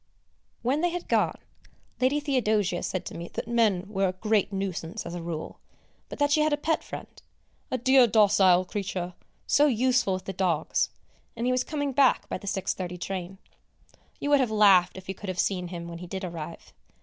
When they had gone, Lady Theodosia said to me that men were a great nuisance as a rule, but that she had a pet friend, a "dear docile creature, so useful with the dogs," and he was coming back by the 6.30 train. You would have laughed, if you could have seen him when he did arrive!